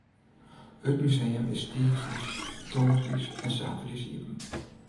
It museum is tiisdeis, tongersdeis en saterdeis iepen.